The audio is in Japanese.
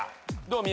どう？